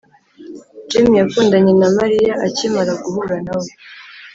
jim yakundanye na mariya akimara guhura na we.